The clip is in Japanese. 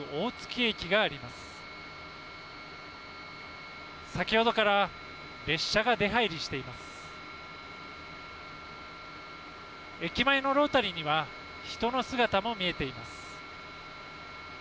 駅前のロータリーには人の姿も見えています。